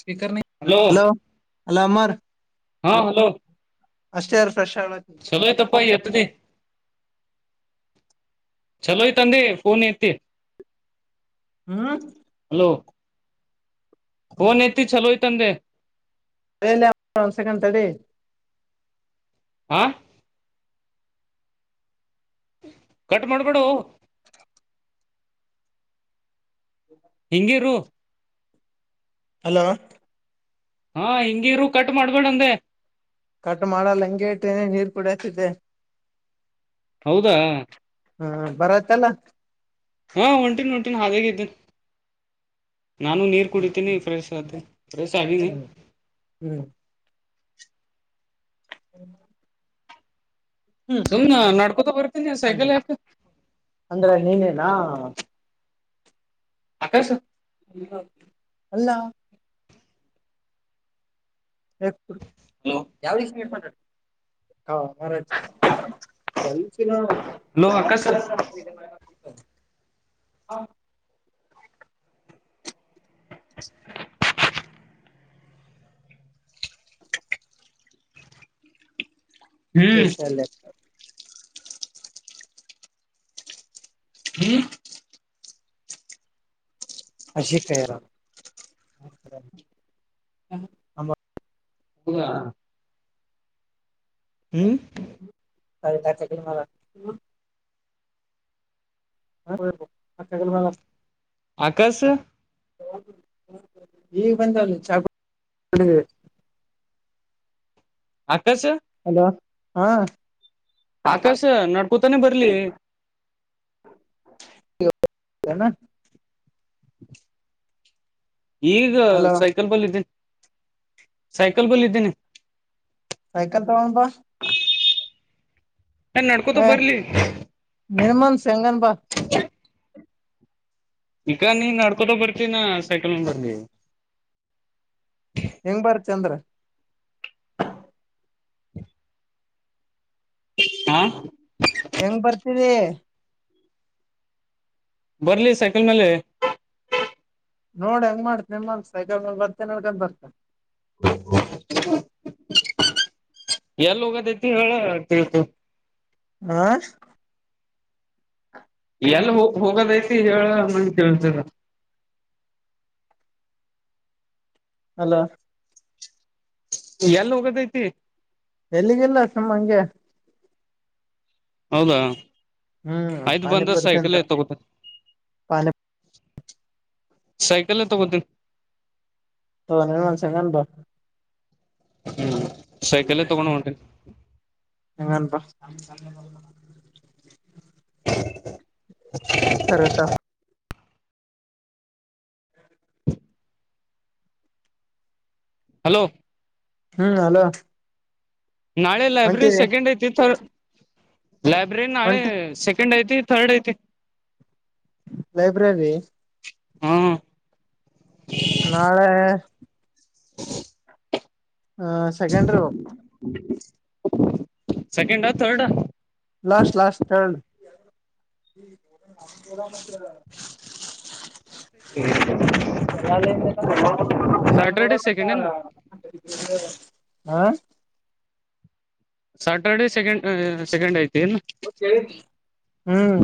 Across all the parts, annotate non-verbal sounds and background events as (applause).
Speaker hello hello Amar ಹಾ hello ಅಷ್ಟೇ ಅರ್ ಚಲೋಯತಪ್ಪಾಯ ಎತ್ತದೆ ಚಲೋ ಇ ತಂದೆ ೋನ್ ಯೆ ಹ್ಮ್ ತೂ ಪೋನ್ ಐತ್ತಿ ಚಲೋ ಅತು ಅಂದೆ ಒಂದ್ ಸೆಕಂಡ್ ತಡಿ ಹಾ ಕಟ್ ಮಾಡ್ಬಾ ಒ ಹಿಂಗಿರು ಹಲೋ ಹಾ ಹಿಂಗಿರು ಕಟ್ ಮಾಡ್ಬೇಡ ಅಂದೆ ಕಟ್ ಮಾಡಲ್ಲಂಗೆ ಇಟ್ಟನೆ ನೀರ್ ಕುಡತಿದೆ ಹೌದಾ ಹಾ ಬರತ್ತಲ್ಲ ಹಾ ಹೊಂಟಿನಿ ಹೊಂಟಿನಿ ಹಾಗೆ ಇದ್ದೆ ನಾನು ನೀರ್ ಕುಡಿತೀನಿ ಫ್ರೆಶ್ (unintelligible) ಹ್ಮ ಹ್ಮ್ ಹ್ಮ್ಮ್ ಹ್ಮ್ ಸುಮ್ನ ನಡ್ಕೋತ ಬರ್ತೀನಿ ಸೈಕಲ್ ಯಾಕ ಅಂದ್ರೆ ನೀನೇನಾ (unintelligible) ಅಲ್ಲ ಹಲೋ ಯಾವ ರೀತಿ (unintelligible) ಹಲೋ ಆಕಾಶ ಹ (inaudible) ಹ್ಮ್ ಶಾಲೆ ಹ್ಮ್ ಅರ್ಷಿಕ ಯಾರು ಹೌದಾ ಹ್ಮ್ (unintelligible) (unintelligible) ಆಕಾಶ್ ಈಗ ಬಂದ ಚಾ ಕುಡಿ ಆಕಾಶ್ ಹಾ ಆಕಾಶ ನಡ್ಕೊತಾನೆ ಬರ್ಲಿ ಏನು ಈಗ ಸೈಕಲ್ ಬಲ್ಲಿದ್ದೀನಿ ಸೈಕಲ್ ಬಲ್ಲ ಇದಿದ್ದೀನಿ ಸೈಕಲ್ ತಗೋಂಡು ಬಾ ಏ ನಡ್ಕೋತ ಹ ಬರ್ಲಿ ನಿನ್ನ ಮನಸ್ಸು ಹೇನಾಗಣ್ಣ ಬಾ ಈಗ ನೀನ್ ನಡ್ಕೊತ ಬರ್ತೀನಿ ಸೈಕಲ್ ಬರ್ಲಿ ಹೆಂಗ್ ಬರ್ತೀನಿ ಅಂದ್ರ ಹಾ ಹೆಂಗ್ ಬರ್ತದಿ ಬರ್ಲಿ ಸೈಕಲ್ ಮೇಲೆ ನೋಡ ಹೆಂಗ ಮಾಡತ್ ಸೈಕಲ್ ಮೇಲೆ ಬರ್ತೀನಿ ಅಂದ್ರೆ ಬರ್ತೀನಿ (inaudible) ಎಲ್ಲಿ ಹೋಗೋದು ಅಯ್ತಿ ಹೇಳೋ ಆ ಎಲ್ ಹೋಗ ಹೋಗೋದಐತಿ ಹೇಳ ಕೇಳ್ತದೇ ಹಲೋ ಎಲ್ಲಿ ಹೋಗೋದಐತಿ ಎಲ್ಲಿಗಿಲ್ಲ ಸುಮ್ಮ ಹಂಗೆ ಹೌದಾ ಹ್ಮ್ ಆಯ್ತು ಬಂದ ಪಾನಿಪುರಿ ಸೈಕಲ್ ತಿಂತಾರ ತಗೋತಿನಿ ಪಾನಿ ಸೈಕಲ್ಯೇ ತಕೋತೀನಿ ಒಂದು ಸೆಕೆಂಡ್ ಬಾ ಹ್ಮ್ ಸೈಕಲ್ ತಗೊಂಡ್ ಹೊಂಟೇನಿ ಏನೆನು ಪಾ (unintelligible) ಕರೆಕ್ಟ್ ಹಲೋ ಹಾ ಹ ಲೋ ನಾಳೆ ಲೈಬ್ರರಿ ಸೆಕೆಂಡ್ ಐತಿ ಥರ್ಡ್ ಲೈಬ್ರರಿ ನಾಳೆ ಹೊಂಟಿ ಸೆಕೆಂಡ್ ಐತಿ ಥರ್ಡ್ ಐತಿ ಲೈಬ್ರರಿ ಹಾ ನಾಳೆ (inaudible) ಹ ಸೆಕೆಂಡ್ರು ಸೆಕೆಂಡ ಥರ್ಡಾ ಲಾಸ್ಟ್ ಲಾಸ್ಟ್ ಥರ್ಡ್. ನದ ಮ (unintelligible) ಹ ಹ (unintelligible) ಎಲ್ಲ (unintelligible) ಲನ್ ಕ ಗಾಮ ಕಡ ಸ್ಯಾಟರ್ಡೆ ಸೆಕೆಂಡ್ ಏನ ಮಂತ ಹ ಸ್ಯಾಟರ್ಡೆ ಸೆಕೆಂಡ್ ಸೆಕೆಂಡೖತೇನು? ಹ್ಮ್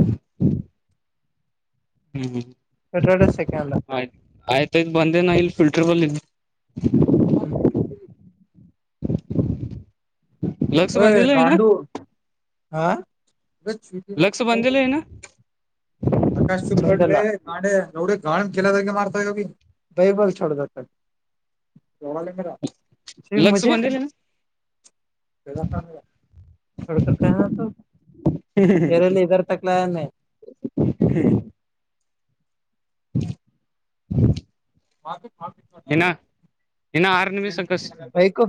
ಹ್ಮ್ ಹ್ಮ್ ಸ್ಯಾಟರ್ಡೆ ಸೆಕಂಡ್ಲ. ಆಯ್ತ್ ಇನ್ ಬಂದೇನ ಇಲ್ಲಿ ಫಿಲ್ಟರ್ ಬಲ್ಲಿ ಹಾ ಹೂ (unintelligible) ಹೊಯ್ (unintelligible) ಆ ಲಕ್ಷ ಬಂದಿಲ್ಲೇನು? ಪ್ರಕಾಶ್ ಗೆ ನೋಡಿ ಗಾಣ್ ಕೆಲದ ಮಾಡ್ತಾ ಹೋಗಿ ಬೈಬಲ್ (unintelligible) ಡದತ್ತ ಲಕ್ಷ ಬಂದಿಲ್ಲೆನು? ಸಡಕ (unintelligible) ಎರಲ್ಲಿ ಇದರ್ ತಕ್ಲಾಯೆನ್ನಿ ಹ್ಮ್ ಹ ಮಾತ (unintelligible) ಇನ್ನು ಇನ್ನು ಆರು ನಿಮಿಷ ಬಸ್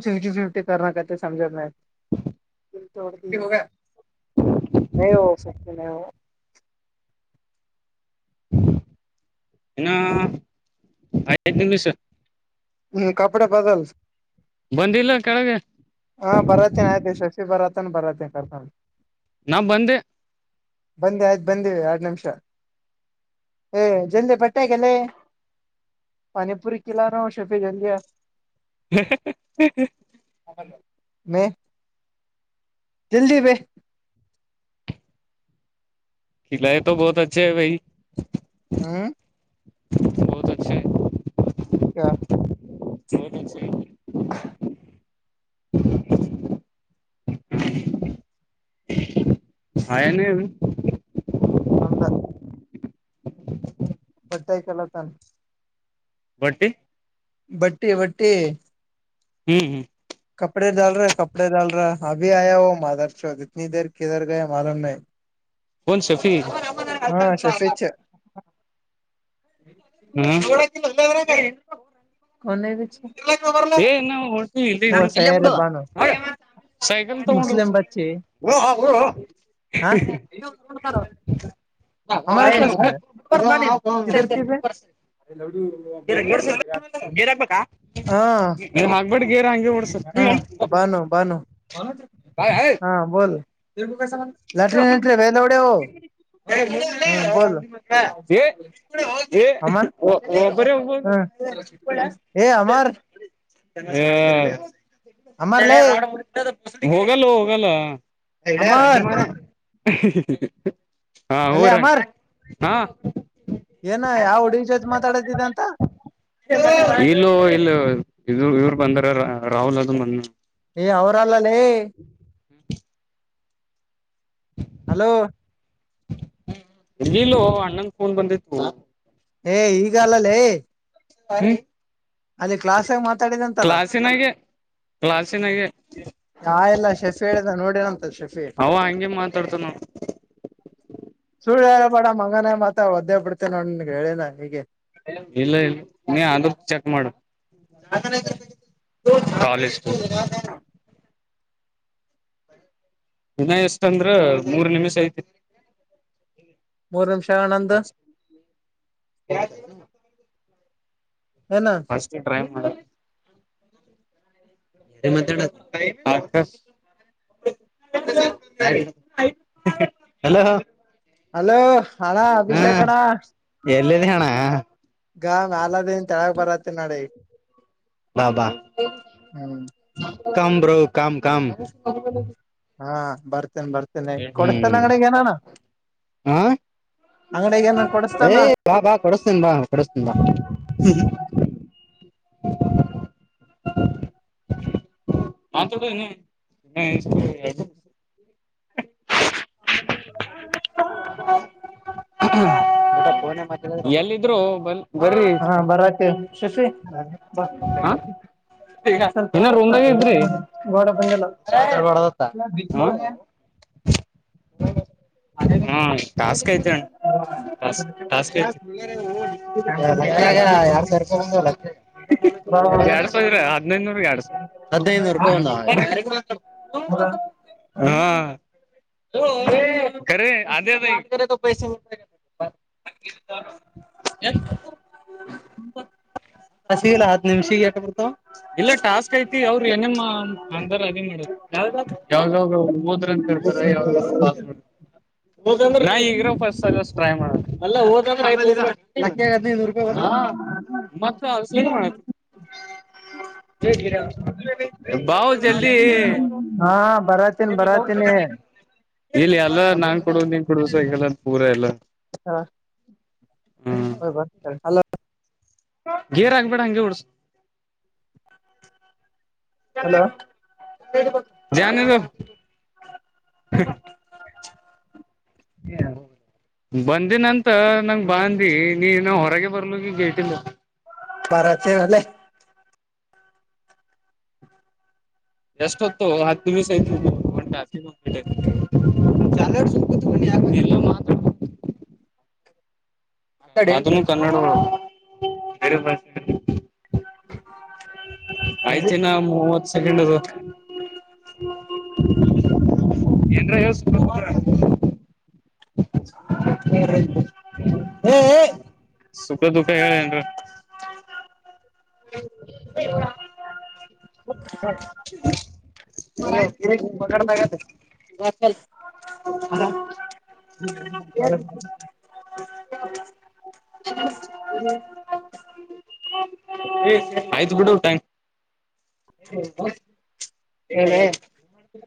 (unintelligible) ನೀ ಸತಿ ನ (unintelligible) ಇನೌ (unintelligible) ದಿನ ಪಸ ಹ್ಮ್ ಕಪಡೆ ಬದಲ್ (unintelligible) ಬಂದಿಲ್ಲ ಕೆಳಗೆ (unintelligible) (unintelligible) ಬರತ ಕರ್ತ ನಾ ಬಂದಿ ಬಂದಿ ಆಯ್ತು ಬಂದಿವಿ ಎರಡ್ ನಿಮಿಷ ಹ ಜಲ್ದಿ ಬಟ್ಟ್ಯಾಕಲ್ಲೇ ಪಾನಿಪುರಿ ಕಿಲ್ಲಾರ (unintelligible) ಚಪ್ಪಿ ಜಲ್ಲಿಯ ಹ ಮೆ ಜಲ್ದಿ ಬೇ (unintelligible) ಕಲಾಯ ಬಹತ್ ಅಛೆ ಭೈ ಹ್ಮ (unintelligible) ಬೌತ್ ಅಚ್ಚ ಹ ಹ (inaudible) ಆನನು (unintelligible) ಅಂದ ಬಟ್ಟೆ ಇಕ್ಕಲತಾನ. ಬಟ್ಟಿ? ಬಟ್ಟಿ ಬಟ್ಟಿ ಹ್ಮ್ ಹ್ಮ್ ಕಪಡೆ ಡ ರ ಕಪಡಡೆ ಡ ರ ಅಭಿ ಆಯ ಹ ಮಾದರ್ ಚೌದ ಇತನ ದೇ ಕಧರ ಗಯ ಮಾಾಲನ್ ಮ ಕನ್ ಶಫಿ ಹಾ ಸಫೇಚ್ಚ (unintelligible) ಕೌನ್ ಹೈ ಬಿಚು ಇರಲಕ್ ಬರಲಾ ಯೇ ನವು ಹಿಯತಿವ್ ಓ ಯಿರಲ್ಯಕ್ ಸಯ್ಯಾರೆ ಬಿಡು ಬಾನು ಸೈಕಲ್ ತ ಉಡ ಮುಸ್ಲಿಂ ಬಚ್ಚಿ ಹಾ ಹಮಾರೆ ಕ್ಲಾಸ್ ಮೇ ಹೈ (unintelligible) ಹ ಸರಿ ಕಿಧರ್ ಸರಿ ಥಿ ಬೆ ಸರಿ ಗೇರ್ ಹಾಕ್ಬೇಕ ಹಾಕ್ಬೇಟ್ಟ ಗೇರ್ ಹಂಗಗೆ ಹಾ ಬಾನು ಬಾನು ಹಾ ಬೋಲ ಲಟ್ರ ನಟ ಬೇಂದ ಎಡೋ ಯೀ ಯೇ ಒಬ್ಬರೆ ಹೋಗಭೋಡು ಏ ಅಮರ್ ಅಮರ್ ಲೇ ಹ ಹೋಗಲ್ಲ ಹೋಗಲ್ಲ ಯೇ ರಂಡಿ ಅಮರ್ ಮಗನ್ ಹ ಅಲ್ಲೇ ಹೊರಿ ಅಮರ್ ಹಂಗ ಏನ ಯಾವ ಹುಡುಗಿ ಜೊತೆ ಮಾತಾಡದಿದೆ ಅಂತ ಇಲ್ಲ ಇಲ್ಲ ಇ ಇವ್ರು ಬಂದರೆ ರಾಹುಲ್ ಅದು ಬಂಧನ ಏ ಅವರಲ್ಲ ಲಲೇ (inaudible) ಹಲೋ ನೀಲ ಅಣ್ಣ ಫೋನ್ ಬಂದುತೂ ಏ ಈಗ ಅಲ್ಲಲೇ ಪರಿ ಹ್ಮ್ ಅಲ್ಲಿ ಕ್ಲಾಸ್ಗ ಮಾತ್ರ ಕ್ಲಾಸಿನಾಗ ಕ್ಲಾಸಿನಾಗ ಹಾ ಎಲ್ಲ ಶೆಶಿಹೇಳಿದಂತ ಎಲ್ಲ ನೋಡಿನಂತದ ಶೆಫೇಡ್ ಅವ ಹಂಗೆ ಮಾತಾಡ್ತಾನ (inaudible) ಸುಳ್ ಹೇಳಬೇಡ ಮಂಗನ ಮತ್ತ ಒದ್ದೇ ಬಿಡ್ತೇ ನೋಡ ಹೇಳಿನ ಹೀಗೆ ಇಲ್ಲ ಇಲ್ಲ ನೀ ಅದು ಚೆಕ್ ಮಾಡು ಕಾಲೇಜ್ ದಿನ ಎಷ್ಟ ಅಂದ್ರ ಮೂರ್ ನಿಮಿಷ ಐತಿ ಮೂರಂಶನಂದ ಫಸ್ಟ್ ಟ ಟ್ರೈ ಮಾಡ ತೆ ಮಾತಡ ಹಲೋ ಹ ಹಲೋ ಹಣಾ ಅಭಿಷೇಕಣ ಎಲ್ಲಿದೆ ಅಣ್ಣ ಗ ನಾಲದಿನ ತೆಳಗ ಬರತ್ತ ನೋಡಿ ಬಾ ಬಾ ಹ್ಮ್ ಕಾಮ ಬ್ರೌ ಕಾಮ ಕಾಮ ಹಾ ಬರ್ತೇನೆ ಬರ್ತೇನೆ ಕೊಡಸ್ತಲ್ಲ ಹ್ಮ್ ಅಂಗಡಗನಾನ ಹ ಏ ಕೊಡಸ್ತಲ್ಲ ಬಾ ಬಾ ಕೊನ್ ಬಾ ಕೊನ್ ಬಾ (unintelligible) ಹಾತ್ ಯಿಡು ಯಿನ್ ಇಷ್ಟ ಫೋನ್ ನಾಗ್ ಮತ್ತ ಆಡ ಎಲ್ಲಿದ್ರು ಬರಿ ಬರಿ ಹಾ ಬರತ್ತೆ ಶಶಿ ಬಾ ಹ ಗ ಸ್ವಲ್ಪ ಇನ ರೂಮ್ ದಾಗೆ ಇದ್ರಿ ಗೋಡ ಬಂದಿಲ್ಲ ಚೇತಾಬ್ಯಾಡದ ಅಂತ ಹಾ ಟಾಸ್ಕ್ ಯತೆ್ಣಸ್ ಟಾಸ್ ಲಕ್ಕ ಆಗ ಯಾರ್ ಸರ್ಕ ಬಂದ ಲಕ್ಕ ಎರಡ್ ಸಾವಿರ್ರ ಹದ್ಿನೈದನೂರ್ ಎರಡ್ ಸಾವಿ ಹದಿನನೂ ರೂಪಾಯಿ ಬಂದಾವಾ ಹಾ ಹೇಳೋ ಕರೆ ಅದೇ ಅದಾ ಈಗ ಕಾಮ್ ಕರೆ ತೋ ಪೈಸೆ ಎ (unintelligible) ಹಸಿ ಇಲ್ಲ ಹತ್ತು ನಿಮಿಷ ಎಟ ಬರ್ತ ಇಲ್ಲ ಟಾಸ್ಕ್ ಐತಿ ಅವ್ರರು ಏನಮ್ಮ ಅಂದಾರ ಅದೇ ಮಾಡ ಯಾವ ಹೋದ್ರಂತ ನ ಈಗ್ರ ಫಸ್ಟ್ ಟ್ರೈ ಮಾಡ ಅಲ್ಲ ಹೋದ್ರೂರುಪಾಯಿ ಮತ್ತ ಸೇ ಮಾಡ ಬಾವಜಲ್ಲಿ ಹಾ ಬರಾತೀನಿ ಬರಾತೀನಿ ಇಲ್ಲಿ ಎಲ್ಲ ನಾ್ ಕೊಡ ನೀನ್ ಕೊಡಸಗಲ್ಲ ಪೂರಾ ಎಲ್ಲ ಹಾ ಹ್ ಬರ್ ಸ ಹಲ ಗೇರ್ ಹಂಗಬೇಡ ಹಂಗಗೆ ಡ್ಸ ಹಲೋ ಜಾನದು ಹಏ ಬಂದಿನಂತ ನಂಗ ಬಾಂದಿ ನೀನ ಹೊರಗೆ ಬರ್ಲಿ ಗೇಟಿಲ್ಲ ಪರತ ಅಲ್ಲೇ ಎಷ್ಟಟ್ ಹತ್ತುೋ ಹತ್ತಮೀ ಸಯಿತ ಯಲ್ಲ ಮಾ ಅದ ಕನ್ನಡಾಷ ಆಯ್ತನಾ ಮೂವತ್ ಸೆಕೆಂಡ್ ಅದು ಏನ್ರ ಯಸ್ಕ ಹ ಸುಖ ದುಃಖ ಹೇಳೇನ್ರ ಹ ಆ ಪಗಡ್ತಾಗ ಅದ ಹ ಏ್ ಆಯ್ತು ಗೂಡಊಟಾಂಕ್ ಹ್ಮ ಹ್ಮ್ಮ